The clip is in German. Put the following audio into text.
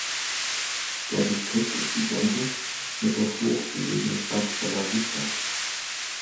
Der Distrikt ist identisch mit der hoch gelegenen Stadt Bellavista.